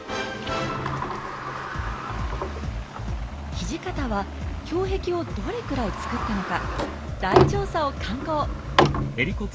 土方は胸壁をどれくらい造ったのか大調査を敢行！